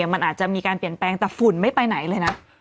มันอาจจะมีการเปลี่ยนแปลงแต่ฝุ่นไม่ไปไหนเลยนะ